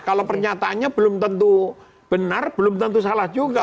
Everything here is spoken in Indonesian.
kalau pernyataannya belum tentu benar belum tentu salah juga